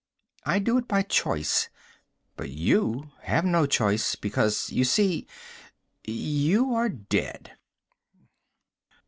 I do it by choice, but you have no choice. Because, you see, you are dead."